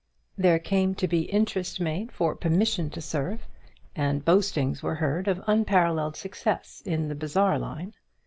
There came to be interest made for permission to serve, and boastings were heard of unparalleled success in the bazaar line.